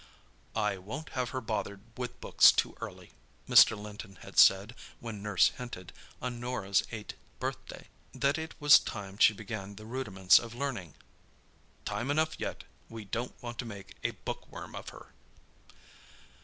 "I won't have her bothered with books too early," Mr. Linton had said when nurse hinted, on Norah's eight birthday, that it was time she began the rudiments of learning. "Time enough yet—we don't want to make a bookworm of her!"